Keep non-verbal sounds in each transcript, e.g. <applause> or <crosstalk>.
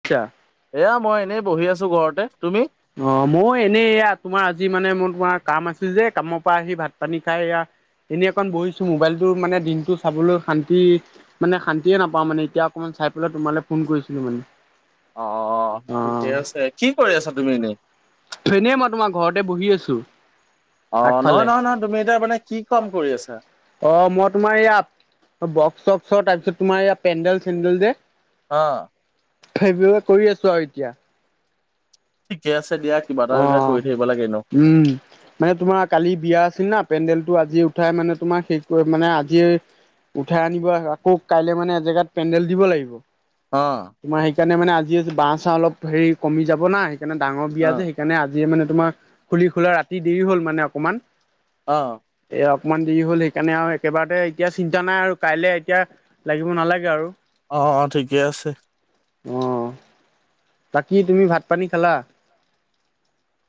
আচ্ছা এয়া মই এনেই বহি আছো ঘৰতে তুমি? অহ, মই এনেই এয়া তোমাৰ আজি মানে মোৰ তোমাৰ কাম আছে যে কামৰ পৰা আহি ভাত -পানী খাইয়া এয়া এনেই অকণ বহিছো মোবাইলটো মানে দিনটো চাবলৈ শান্তি মানে শান্তিয়ে নাপাওঁ মানে এতিয়া অকমান চাই পেলাই তোমালে ফোন কৰিছিলো মানে। অহ, অ ঠিকে আছে কি কৰি আছা তুমি এনেই? এনে মই তোমাৰ ঘৰতে বহি আছো অ নহয় আগফালে। নহয় নহয় তুমি এতিয়া মানে কি কাম কৰি আছা? অহ, মই তোমাৰ ইয়াত বক্স- চক্সৰ তাৰপিছত তোমাৰ ইয়া পেণ্ডেল -চেণ্ডেল যে আ সেইবাবে কৰি আছো আৰু এতিয়া। ঠিকে আছে দিয়া কিবা এটা এটা অহ, কৰি থাকিব লাগে এনেও। উম মানে তোমাৰ কালি বিয়া আছিল না পেণ্ডেল ফটো আজি উঠাই মানে তোমাৰ হে কৰি মানে আজি উঠাই আনিবা আকৌ কাইলে মানে এজেগাত পেণ্ডেল দিব লাগিব অ তোমাৰ সেইকাৰণে মানে আজি বাঁহ -চাঁহ অলপ হেৰি কমি যাব না সেইকাৰণে ডাঙৰ বিয়া অ যে সেইকাৰণে আজিয়ে মানে তোমাৰ খুলি- খোলা ৰাতি দেৰি হ'ল মানে অকণমান। অ', অকমান দেৰি হ'ল সেইকাৰণে আৰু একেবাৰতে এতিয়া চিন্তা নাই আৰু কাইলে এতিয়া লাগিব নালাগে আৰু। অহ -অহ ঠিকেই আছে। অহ, বাকি তুমি ভাত-পানী খালা?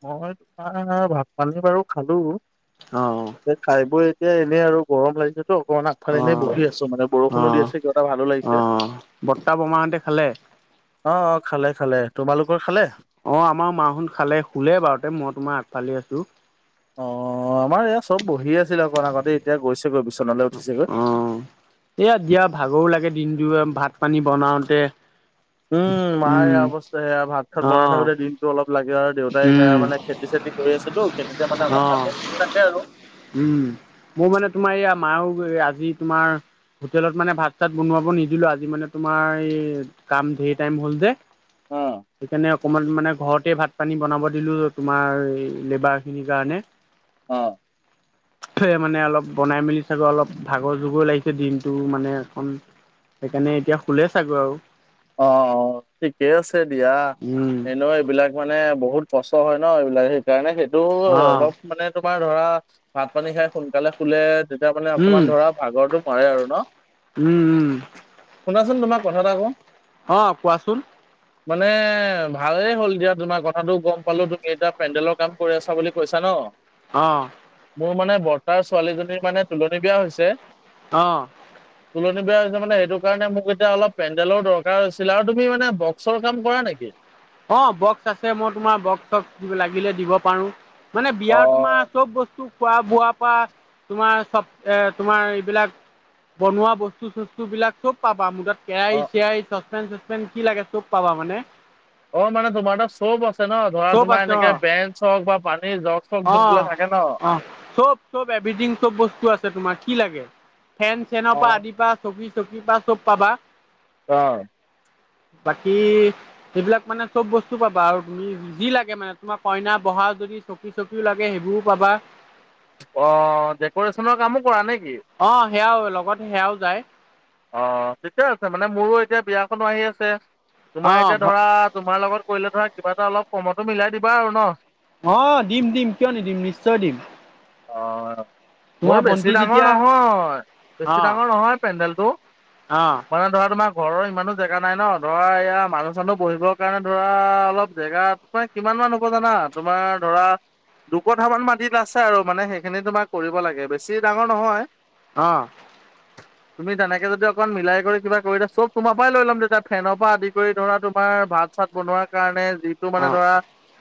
মই তোমাৰ ভাত- পানী বাৰু খালো অ যে খাই বৈ এতিয়া এনেই আৰু গৰম লাগিছেতো অকমান আগফাল অ এনেই বহি আছো মানে বৰষুণো দি আছে কিবা এটা ভালো লাগিছে। বৰ্তা-বমাহঁতে খালে? অহ - অহ, খালে -খালে তোমালোকৰ খালে? অহ, আমাৰ মাহোন খালে শুলে বাৰুতে মই তোমাৰ আগফালে আছো। অহ, আমাৰ ইয়াত চব বহি আছিল অকণ আগতে এতিয়া গৈছে অ এইয়া দিয়া ভাগৰো লাগে দিনটো। ভাত পানী বনাওঁতে। উম, মাৰ সেয়া অৱস্থা। সেয়া ভাত- খাত বনাই অ', থাকোতে দিনটো অলপ লাগে আৰু দেউতাই এতিয়া উম, মানে খেতি-চেতি কৰি আছেতো। খেতিতে মানে অকন অ', <unintelligible> থাকে আৰু। উম। মোৰ মানে তোমাৰ এইয়া মাইও আজি তোমাৰ হোটেলত মানে ভাত-চাত বনাব নিদিলো। আজি মানে তোমাৰ এই কাম ধেৰ টাইম হল যে। অ, সেইকাৰণে অকমান মানে ঘৰতে ভাত পানী বনাব দিলো তোমাৰ লেবাৰ খিনিৰ কাৰণে। অ। মানে অলপ বনাই মেলি চাগৈ অলপ ভাগৰ জোগৰ লাগিছে দিনটো মানে এখন সেইকাৰণে এতিয়া খুলে চাগৈ আৰু। অ-অ ঠিকে আছে দিয়া। উম এনেও এইবিলাক মানে বহুত কষ্ট হয় ন এইবিলাক। সেইকাৰণে সেইটো অ' অলপ মানে তোমাৰ ধৰা ভাত- পানী খাই সোনকালে শোলে তেতিয়া মানে অকমান উম ধৰা ভাগৰটো মৰে আৰু ন? উম উম শুনাচোন তোমাক কথা এটা ক‌ওঁ। অ কোৱাচোন। মানে ভালেই হ'ল এতিয়া তোমাৰ কথাটো গম পালো। তুমি এতিয়া পেণ্ডেলৰ কাম কৰি আছা বুলি কৈছা ন? অহ। মোৰ মানে বৰ্তাৰ ছোৱালীজনীৰ মানে তুলনী বিয়া হৈছে। অ। তুলনি বেয়া হৈছে মানে। সেইটো কাৰণে মোক এতিয়া অলপ পেণ্ডেলৰ দৰ হৈছিলে তুমি মানে বক্সৰ কাম কৰা নেকি? অ বক্স আছে। মই তোমাৰ বক্স- চক্স লাগিলে দিব পাৰো। মানে অ বিয়া তোমাৰ চব বস্তু খোৱা বোৱা পৰা তোমাৰ চব এ তোমাৰ এইবিলাক বনোৱা বস্তু -চস্তু বিলাক চব পাবা মোৰ তাত। কেৰাহী, চেৰাহি, চচপেন, তচপেন কি লাগে চব পাবা মানে। অ, মানে তোমাৰ তাত চব আ ন ধৰা চব তোমাৰ আছে অ' এনেকে বেঞ্চ হওঁক বা পানীৰ জক-চক যোনবিলাক থাকে ন। এভিথিং চব বস্তু আছে তোমাৰ কি লাগে? ফেন-চেনৰ অ পৰা আদি পা চকী-চকী পা চব পাবা। অ। বাকী সেইবিলাক মানে চব বস্তু পাবা আৰু তুমি যি লাগে মানে তোমাৰ কইনা বহা যদি চকী, চকীও লাগে সেইবোৰো পাবা। অ ডেক'ৰেশ্যনৰ কামো কৰা নে? অ সেয়াও লগত সেয়াও যায়। অ, ঠিকে আছে। মানে মোৰো এতিয়া বিয়াখনো আহি আছে। তোমাৰ অ এতিয়া ধৰা তোমাৰ লগত কৰিলে ধৰা কিবা এটা অলপ কমটো মিলাই দিবা আৰু ন। অ, দিম-দিম কিয় নিদিম? নিশ্চয় দিম। অ। মোৰ তোমাৰ বেছি ভন্টি ডাঙৰ যেতিয়া নহয়, বেছি অ ডাঙৰ নহয় পেণ্ডেলটো। অ মানে ধৰা তোমাক ঘৰৰ ইমানো জেগা নাই ন। ধৰা এয়া মানুহ চানুহ বহিবৰ কাৰণে ধৰা অলপ জেগাত ম কিমান হ'ব জানা তোমাৰ ধৰা দুকঠামান মাটিত আছ আৰু মানে সেইখিনি তোমাৰ কৰিব লাগে, বেছি ডাঙৰ নহয়। অ। তুমি তেনেকে যদি অকন মিলাই কৰি কিবা কৰি দিয়া চব তোমাৰ পৰাই লৈ ল'ম তেতিয়া। ফেনৰ পৰা আদি কৰি ধৰা তোমাৰ ভাত-চাত বনোৱাৰ কাৰণে যিটো অ মানে ধৰা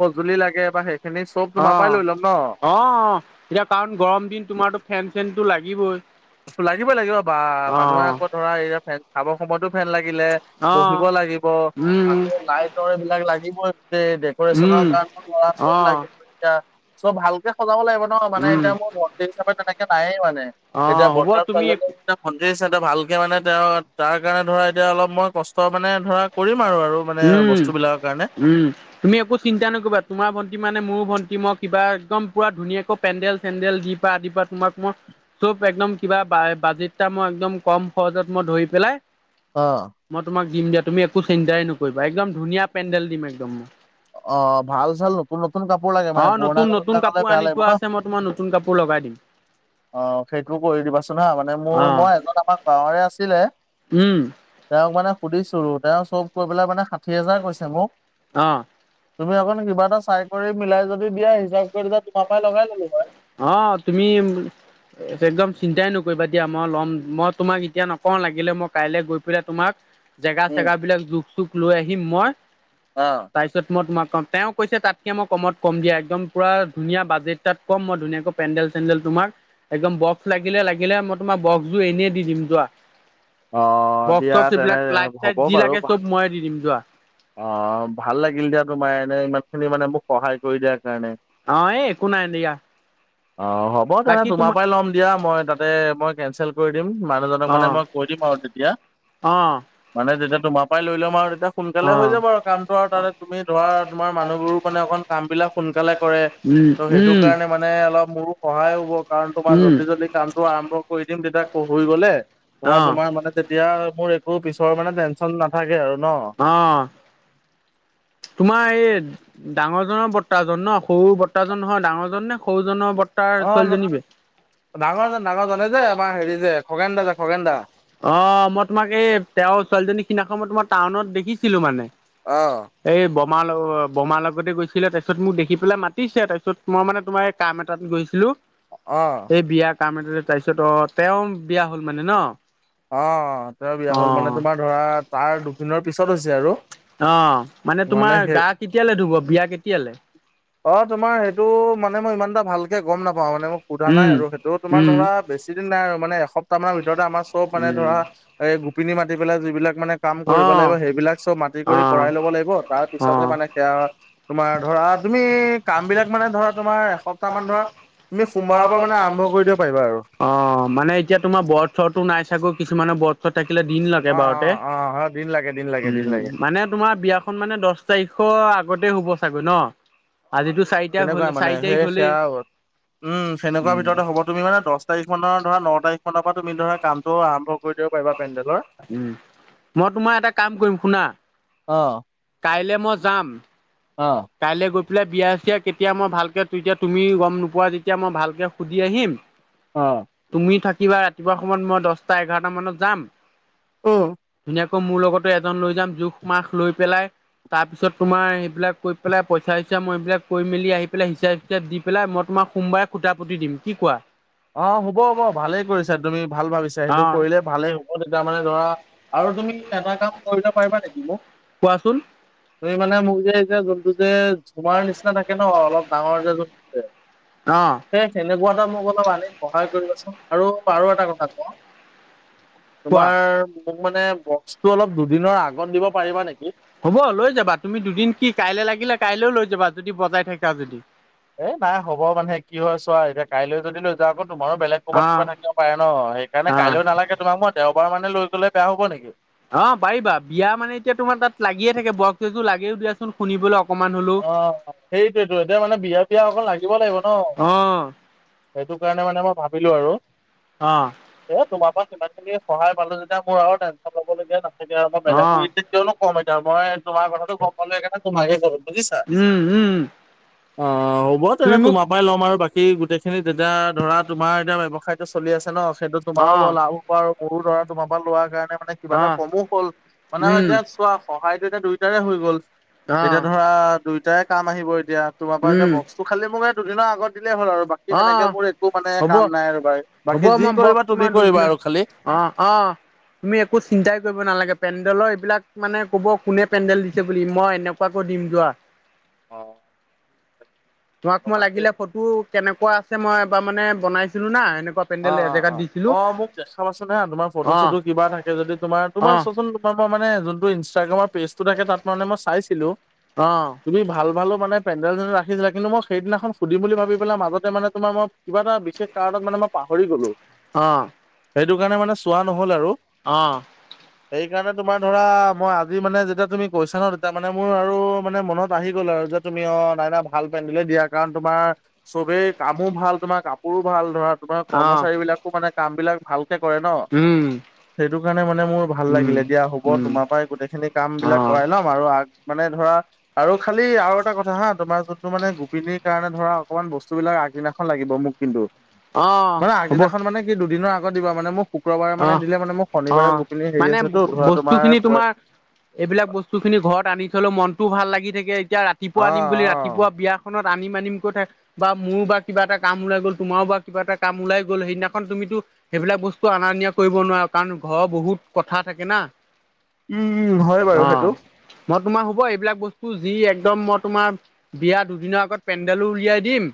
সঁজুলি লাগে বা সেইখিনি চব তোমাৰ পৰাই লৈ ল'ম ন। অ-অ এতিয়া কাৰণ গৰম দিন। তোমাৰতো ফেন চেনতটো লাগিবই। লাগিব- লাগিব বা অ মানুহে আকৌ ধৰা এই খাব সময়তো ফেন লাগিলে, অ বহিব লাগিব উম আকৌ লাইটৰ এইবিলাক লাগিবই তে ডেকৰেচনৰ উম কাৰণেও ধৰা চব অ লাগিব এতিয়া চব ভালকে সজাব লাগিব। ন' মানে উম এতিয়া মোৰ ভন্তিৰ নিচিনাকে তেনেকে নায়ে মানে অ এতিয়া হ'ব বৰতা তুমি ছোৱালীজনীৰ নিচিনা ভণ্টি ড্ৰেছ এটা ভালকে মানে তেওঁ তাৰ কাৰণে ধৰা এতিয়া অলপ মই কষ্ট মানে ধৰা কৰিম আৰু আৰু মানে উম বস্তুবিলাকৰ কাৰণে -উম তুমি একো চিন্তা নকৰিবা তোমাৰ ভ ভণ্টি মানে মোৰো ভন্টি মই কিবা একদম পুৰা ধুনীয়াকৈ পেণ্ডেল- চেণ্ডেল যি পা আদি পৰা তোমাক মই চব একদম কিবা বাজেটটা মই একদম কম খৰজত মই ধৰি পেলাই অঁ। মই তোমাক দিম দিয়া তুমি একো চিন্তাই নকৰিবা একদম ধুনীয়া পেণ্ডেল দিম একদম মই। অঁ ভাল চাল নতুন নতুন কাপোৰ লাগে মানে অ', পুৰণা নতুন কাপোৰ নতুন বিলাক হলে বেয়া আনি লাগিব থোৱা ন। আছে মই তোমাৰ নতুন কাপোৰ লগাই দিম অঁ সেইটো কৰি দিবাচোন হা মানে মোৰ অ', মই এজন আমাৰ গাঁৱৰে আছিলে। উম। তেওঁক মানে সুধিছো তেওঁ চব কৈ পেলাই মানে ষাঠি হাজাৰ কৈছে মোক। অ', তুমি অকন কিবা এটা চাই কৰি মিলাই যদি দিয়া হিচাপ কৰি তোমাৰ পাই লগাই ললো হয়। অ', তুমি একদম চিন্তাই নকৰিবা দিয়া মই ল'ম মই তোমাক এতিয়া নকওঁ লাগিলে মই কাইলৈ গৈ পেলাই তোমাক জেগা উম চেগা বিলাক জোখ চুক লৈ আহিম মই অ তাৰপিছত মই তোমাক তেওঁ কৈছে, তাতকে মই কমত কম দিয়া। একদম পুৰা ধুনীয়া বাজেট তাত কম মই ধুনীয়াকৈ পেণ্ডেল চেডেল তোমাৰ একদম বক্স লাগিলে লাগিলে। ই তোমাৰ বক্স জোৰ এনেই দি দিম যোৱা। অ বক্স দিয়া চক্স তেনে এইবিলাক লাইট হ'ব চাইট যি লাগে চব মইয়ে দি দিম যোৱা। অঁ ভাল লাগিল দিয়া তোমাৰ এনে ইমান খিনি মানে মোক সহায় কৰি দিয়াৰ কাৰণে। অঁ এই একো নাই দিয়া। অঁ হ'ব তেনে তোমাৰ পৰাই ল'ম দিয়া মই তাতে মই কেনচেল কৰি দিম মানুহজনক অ মানে মই অঁ তেতিয়া, অ মানে যেতিয়া তোমাৰ মই লৈ লম আৰু তেতিয়া সোনকালে অ হৈ যাব আৰু কামটো আৰু তাতে তুমি ধৰা তোমাৰ মানুহবোৰ মানে অকণ কাম বিলাক সোন সোনকালে কৰে, উম ত সেইটো উম কাৰণে মানে অলপ মোৰো সহায় হ'ব কাৰণ তোমাৰ উম জল্দি জল্দি কামটো আৰম্ভ কৰি দিম তেতিয়া হৈ গলে ধৰা অ তোমাৰ মানে তেতিয়া মোৰ একো পিছৰ মানে টেনচন নাথাকে আৰু ন। অ তোমাৰ এই ডাঙৰজনৰ বৰ্টাজন ন, সৰু বৰ্টাজন নহয় ডাঙৰ জন নে সৰুজনৰ বৰ্ট তাৰ ছোৱালীজনী যে ডাঙৰ জন, ডাঙৰ জন, এই যে আমাৰ হেৰি যে খগেন দা যে, খগেন দা। অঁ, মই তোমাক এই তেওঁৰ ছোৱালীজনী সিদিনাখন মই তোমাৰ টাউনত দেখিছিলোঁ মানে অঁ এই বমাৰ লগত, বমাৰ লগতে গৈছিলে, তাৰপিছত মোক দেখি পেলাই মাতিছে, তাৰপিছত মই মানে তোমাৰ এই কাম এটা গৈছিলো, অ এই বিয়া কাম এটা তাৰপিছত অ, তেওঁ বিয়া হ'ল মানে ন। অঁ, তেওঁৰ বিয়া হ'ল মানে অ' তোমাৰ ধৰা তাৰ দুদিনৰ পিছত হৈছে আৰু। অঁ মানে তোমাৰ গা কেতিয়ালে ধুব? বিয়া কেতিয়ালে? অ তোমাৰ সেইটো মানে মই ইমান এটা ভাল চে গম নাপাওঁ মানে মোক সোধা নাই উম। আৰু সেইটো তোমাৰ উম ধৰা বেছি দিন নাই আৰু মানে এসপ্তাহমান ভিতৰতে আমাৰ মানে উম ধৰা, এই গোপিনী মাতি পেলাই যিবিলাক মানে কাম কৰিব লাগিব অ' সেইবিলাক চব মাতি কৰি অ' কৰাই ল'ব লাগিব, তাৰ পিছতহে অ' মানে সেইয়া তোমাৰ ধৰ ধৰা, তুমি কাম বিলাক মানে ধৰা, তোমাৰ এসপ্তাহ মান ধৰা তুমি সোমবাৰৰ পৰা মানে আৰম্ভ কৰি দিব পাৰিবা আৰু অঁ, মানে এতিয়া তোমাৰ বৰ্ত-চৰ্তটো নাই থাকো, কিছুমানৰ বৰ্ত-চৰ্ত থাকিলে, দিন লাগে অ এবাৰতে অ অ দিন লাগে দিন লাগে দিন উম, লাগে মানে তোমাৰ বিয়াখন মানে দহ তাৰিখৰ আগতে হ'ব। চাগৈ ন আজিতো চাৰি তাৰিখ হ'ল তেনেকুৱা মানে চাৰি তাৰিখ সেই সেইয়া হ'লেই আগত। উম, সেনেকুৱা উম ভিতৰতে হ'ব, তুমি মানে দহ তাৰিখ মানৰ ধৰা, ন তাৰিখ মানৰ পৰা তুমি ধৰা কামটো আৰম্ভ কৰি দিব পাৰিবা পেণ্ডেলৰ উম, মই তোমাৰ এটা কাম কৰিম শুনা অ', কাইলৈ মই যাম, অ', কাইলৈ গৈ পেলাই বিয়া-চিয়া কেতিয়া, মই ভালকে তেতিয়া তুমি গম নোপোৱা যেতিয়া মই ভালকে সুধি আহিম। অ'। তুমি থাকিবা ৰাতিপুৱা সময়ত মই দহটা, এঘাৰটা মানত যাম। উম। ধুনীয়া আকৌ মোৰ লগতে এজন লৈ যাম, জোখ-মাখ লৈ পেলাই তাৰ পিছত তোমাৰ এইবিলাক কৈ পেলাই, পইচা-চইচা মই এইবিলাক কৈ মেলি আহি পেলাই হিচাপ-চিচাপ দি পেলাই, মই তোমাক সোমবাৰে খুটা পুতি দিম। কি কোৱা? অঁ, হ'ব-হ'ব ভালেই কৰিছা তুমি, ভাল ভাবিছা, সেইটো অ কৰিলে ভালেই হ'ব তেতিয়া মানে ধৰা আৰু তুমি এটা কাম কৰিব পাৰিবা নেকি মোক? কচোন তুমি মানে মোক যে এতিয়া যোনটো যে তোমাৰ নিচিনা থাকে ন অলপ ডাঙৰ যে যোনটো যে, অ'। সেই তেনেকুৱা এটা মোক অলপ আ সহায় কৰিবাচোন আৰু-আৰু এটা কথা কওঁ কোৱা তোমাৰ মোক মানে বক্সটো অলপ দুদিনৰ আগত দিব পাৰিবা নেকি? হ'ব লৈ যাবা, তুমি দুদিন কি কাইলে লাগিলে কাইলৈ লৈ যাবা, যদি বজাই থাকা যদি। এ নাই হ'ব মানে কি হয় চোৱা, এতিয়া কাইলৈ যদি লৈ যাওঁ আকৌ তোমাৰো বেলেগ ক'ৰবাত অ', কিবা থাকিব পাৰে ন সেইকাৰণে অ'। কাইলৈ নালাগে, তোমাক মই দেওবাৰ মানে লৈ গ'লে বেয়া হব নেকি? অ পাৰিবা, বিয়া মানে এতিয়া তোমাৰ তাত লাগিয়ে থাকে বক্স এযোৰ লাগেও দিয়াচোন শুনিবলৈ অকমান হ'লেও। অ, সেইটোৱে তো এতিয়া মানে বিয়া-বিয়া অকণ লাগিব, লাগিব ন। অ', সেইটো কাৰণে মানে মই ভাবিলোঁ আৰু, অ', এই তোমাৰ পৰা ইমানখিনি সহায় পালো যেতিয়া মোৰ আৰু টেনশন লবলগীয়া নাথাকে আৰু মই বেলেগৰ অ'। ৰিক্স-চিক্স কিয় লম? কি কম এতিয়া মই তোমাৰ কথাটো গম পালো এইকাৰণে তোমাকে কলোঁ। উম-উম অ, হ'ব তেনে তোমাৰ পৰাই ল'ম আৰু বাকী সি গোটেই খিনি তেতিয়া ধৰা তোমাৰ এতিয়া ব্যৱসায়টো চলি আছে ন সেইটো তোমাৰো বৰ অ', লাভ হোৱা আৰু সৰু দৰা তোমাৰ পৰা লোৱাৰ কাৰণে মানে কিবা এটা অ', কমো হ'ল। মানে উম, এতিয়া চোৱা সহায় এতিয়া দুইটাৰে হৈ গল। অহ। এতিয়া ধৰা দুইটাই কাম আহিব এতিয়া তোমাৰ পৰা এতিয়া উম, বক্সটো খালি মোকে দুদিনৰ আগত হ'ল আৰু বাকী তেনেকে অ', মোৰ একো মানে হ'ব। কাম নাই আৰু বাই বাকী যি কৰিবা তুমি কৰিবা আৰু খালি। অঁ, অঁ তুমি একো চিন্তাই কৰিব নালাগে। পেণ্ডেলৰ এইবিলাক মানে কব কোনে পেণ্ডেল দিছে বুলি মই এনেকুৱাকো দিম যোৱা। অ। তোমাক মই বাকী লাগিলে ফটো কেনেকুৱা আছে মই এবাৰ মানে বনাইছিলো না সেনেকুৱা অ, অ, অ, অ মোক দেখাবাচোন হা তোমাৰ ফটো অ' চটো কিবা থাকে যদি তোমাৰ তোমাৰ অ' চচোন তোমাৰ ম মানে যোনটো ইনষ্টাগ্ৰামত পেজটো থে তাত মানে মই চাইছিলো অ' তুমি ভাল ভালো মানে পেডেল মই সেইদিনাখন সুধিম বুলি ভাবি পেলাই মাজতে মানে তোমাৰই কিবা এটা বিশেষ কাৰণত মানে মই পাহৰি গলো। আহ। সেইটো কাৰণে মানে চোৱা নহ'ল আৰু। আহ। সেইকাৰণে তোমাৰ ধৰা মই আজি মানে যেতিয়া তুমি কৈছা ন তেতিয়া মানে মোৰ আৰু মানে মনত আহি গ'ল আৰু। যে, তুমি অ নাই নাই ভাল পেন্ধিলে দিয়া কাৰণ তোমাৰ চবেই কামো ভাল তোমাৰ কাপোৰো ভাল। ধৰা তোমাৰ অ' কৰ্মচাৰী বিলাকো মানে কাম বিলাক ভাল কৰে ন। উম সেইটো কাৰণে মানে মোৰ ভাল উম লাগিলে। দিয়া হ'ব, উম তোমাৰ পৰা গোটেইখিনি কাম বিলাক অ' কৰাই লম। আৰু আগ মানে ধৰা আৰু খালি আৰু এটা কথা হা তোমাৰ যোনটো মানে গোপিনীৰ কাৰণে ধৰা অকমান বস্তু বিলাক আগ দিনাখন লাগিব মোক কিন্তু। অ' মানে হ'ব আগদিনাখন মানে কি দুদিনৰ আগত দিব মানে মোক শুক্ৰবাৰে মানে দিলে মানে ম শনিবাৰে গোপিনি হেৰি আছে। বস্তু খিনি তোমাৰ এইবিলাক বস্তু খিনি ঘৰত আনি থলেও মন তো ভাল লাগি থাকে। এতিয়া অ', ৰাতিপুৱা আনিম বুলি অ'। ৰাতিপুৱা বিয়াখনত আনিম আনিম কৈ থাক বা মোৰো বা কিবা এটা কাম ওলাই গ'ল তোমাৰো বা কিবা এটা কাম ওলাই গ'ল সেইদিনাখন তুমিতো সেইবিলাক বস্তু অনা নিয়া কৰিব নোৱাৰা কাৰণ ঘৰৰ বহুত কথাত থাকে না। উম, হয় বাৰু অ', সেইটো। মই তোমাৰ হ'ব এইবিলাক বস্তু যি একদম মই তোমাৰ বিয়া দুদিনৰ আগত পেণ্ডেলো উলিয়াই দিম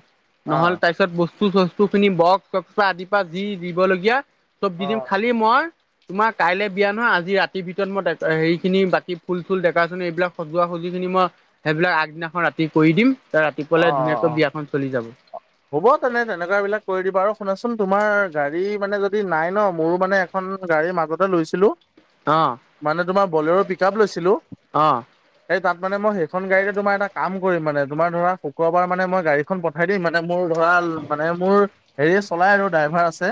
অ', নহ'লে তাৰপিছত বস্তু- চস্তু খিনি বক্স-চক্স আদিৰ পৰা যি দিবলগীয়া চব দি দিম। অ', খালি মই তোমাৰ কাইলে বিয়া নহয় আজি ৰাতিৰ ভিতৰত মইকা হেৰি খিনি বাতি ফুল-চুল দেকাচোন এইবিলাক সজোৱা সজোৱা মই সেইবিলাক আগদিনাখন ৰাতি কৰি দিম ত ৰাতিপুৱালে অ', ধুনীয়াকৈ অ'। বিয়াখন চলি যাব। হ'ব, তেনে তেনেকুৱা বিলাক কৰি দিবা। আৰু শুনাচোন তোমাৰ গাড়ী মানে যদি নাই ন মোৰো মানে এখন গাড়ী মাজতে লৈছিলো। অ', মানে তোমাৰ বলেৰো পিক আপ লৈছিলো। অ', এই, তাত মানে ম সেইখন গাড়ী তোমাৰ এটা কাম কৰিম মানে তোমাৰ ধৰা শুক্ৰবাৰ মানে মই গাড়ীখন পঠাই দিম। মান মোৰ ধৰা মানে মোৰ হেৰি চলাই আৰু ড্ৰাইভাৰ আছে।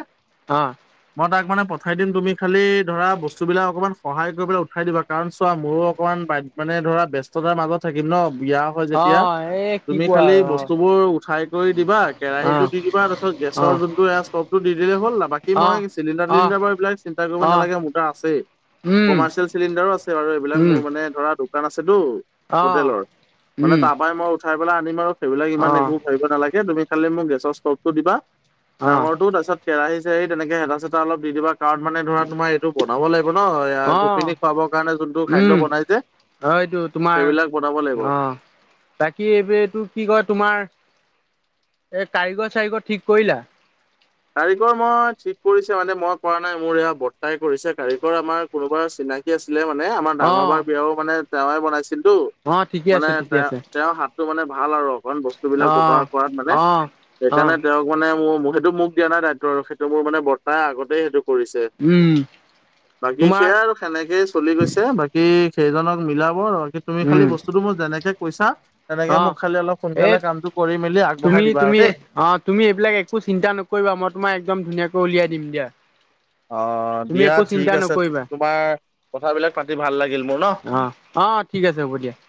অ', মই তাক মানে পঠাই দিম তুমি খালি ধৰা বস্তুবিলাক অকমান সহায় কৰিব পেলাই উঠাই দিবা। কাৰণ, মোৰো অকণমান মানে ধৰা ব্যস্ততাৰ মাজত থাকিম ন। বিয়া হয় যেতিয়া অ', এই কি তুমি কোৱা খালি আৰু অ', বস্তুবোৰ উঠাই দিবা কেৰাহীটো অ', দি দিবা তাৰপিছত গেছৰ অ', যোনটো ষ্টভটো দি দিলেই হ'ল বাকী অ', মই চিলিণ্ডাৰিলিণ্ডাৰ বাৰু এইবিলাক চিন্তা কৰিব অ', অ', নালাগে। মোৰ তাৰ আছে। উম, কমাৰ্চিয়েল চিলিণ্ডাৰো আছে বাৰু এইবিলাক উম। মোৰ মানে ধৰা দোকান আছেতো, অ', হোটেলৰ মানে উম, তাৰ পৰাাই মই উঠাই পেলাই আনিম আৰু সেইবিলাক ইমান অ', একবোৰ ভাবিব নালাগে তুমি খালি মোক গেছৰ ষ্টভটো দিবা অ', ডাঙৰ তো তাৰপিছত কেৰাহী এই তেনেকে হেতা-চেতা অলপ দি দিবা। কাৰণ মানে ধৰা তোমাৰ এইটো বনাব লাগিব ন গোপিনী অ', খুৱাবৰ কাৰণে যোনটো খাদ্য বনাই যে। অহ এইটো তোমাৰ সেইবিলাক বনাব লাগিব। অ বাকী এইবোৰে টো কি কয় তোমাৰ এ কাৰিকৰ চাৰিকৰ ঠিক কৰিলা। কাৰিকৰ মই ঠিক কৰিছে মানে মই কৰা নাই মোৰ এয়া বৰ্তাই কৰিছে কাৰিকৰ আমাৰ কোনোবা চিনাকি আছে। ছিলে মানে আমাৰ ডাঙৰ বাৰ অ', বিয়াও মানে তেওঁৱে বনাইছিল। টো অ', ঠিকে মানে আছে ঠিকে তেওঁ আছে তেওঁৰ হাতটো মানে ভাল আৰু অকণ বস্তু বিলাক বনোৱা অ', কৰাত মানে, অ', সেইকাৰণে অ'। তেওঁক মানে মোৰ সেইটো মোক দিয়া নাই দায়িত্ব আৰু সেইটো মোৰ মানে বৰ্তাই আগতেই সেইটো কৰিছে, উম, বাকী তোমাৰ সেয়া আৰু সেনেকেই চলি গৈছে বাকী সেইজনক মিলাব তুমি খালি উম, বস্তুতটো মোৰ যেনেকে কৈছা তেনেকে মোক অ', খালি অলপ এই সোনকালে কামটো কৰি মেলি আগবঢ়াই তুমি দিবা আৰু তুমি দেই। অ তুমি এইবিলাক একো চিন্তা নকৰিবা, মই তোমাক একদম ধুনীয়াকৈ উলিয়াই দিম দিয়া। অ তুমি দিয়া একো ঠিক চিন্তা আছে নকৰিবা তোমাৰ, কথাবিলাক পাতি ভাল লাগিল মোৰ ন? অ', অ ঠিক আছে হ'ব দিয়া।